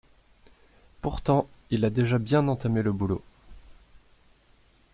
Pourtant il a déjà bien entamé le boulot.